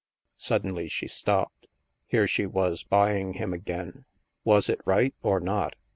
Suddenly she stopped. Here she was buying him again. Was it right, or not